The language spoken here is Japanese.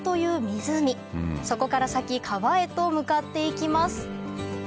湖そこから先川へと向かって行きます